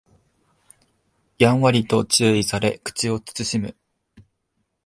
やんわりと注意され口を慎む